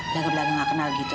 laga laga nggak kenal gitu